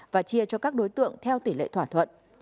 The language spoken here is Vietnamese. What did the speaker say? và chia cho các đối tượng theo tỷ lệ thỏa thuận